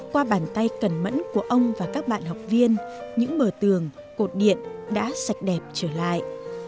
qua bàn tay cẩn mẫn của ông và các bạn học viên những bờ tường cột điện đã sạch đẹp trở lại